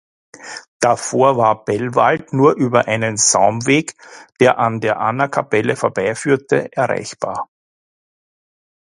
Davor war Bellwald nur über einen Saumweg, der an der Annakapelle vorbeiführte, erreichbar.